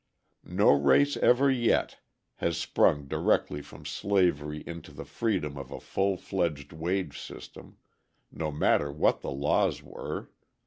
No race ever yet has sprung directly from slavery into the freedom of a full fledged wage system, no matter what the laws were.